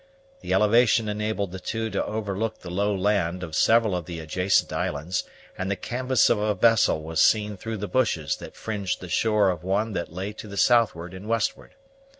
The elevation enabled the two to overlook the low land of several of the adjacent islands; and the canvas of a vessel was seen through the bushes that fringed the shore of one that lay to the southward and westward.